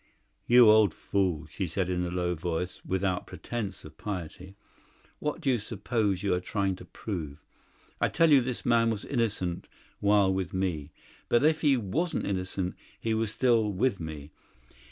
"You old fool!" she said in a low voice without pretence of piety, "what do you suppose you are trying to prove? I tell you this man was innocent while with me. But if he wasn't innocent, he was still with me.